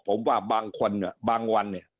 ผมว่าบางคนบางวัน